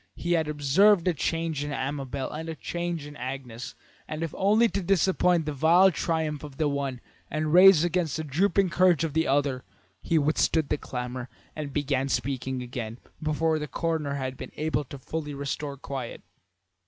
He had observed a change in Amabel and a change in Agnes, and if only to disappoint the vile triumph of the one and raise again the drooping courage of the other, he withstood the clamour and began speaking again, before the coroner had been able to fully restore quiet.